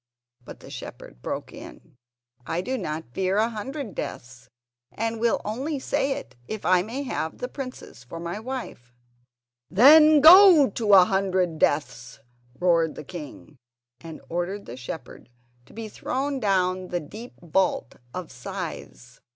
'" But the shepherd broke in with, "I do not fear a hundred deaths, and I will only say it if I may have the princess for my wife." "Then go to a hundred deaths!" roared the king, and ordered the shepherd to be thrown down the deep vault of scythes.